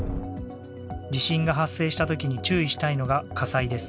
地震が発生した時に注意したいのが火災です。